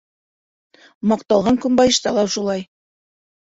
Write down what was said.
Маҡталған Көнбайышта ла шулай.